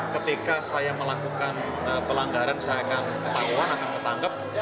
ketika saya melakukan pelanggaran saya akan ketahuan akan ketangkep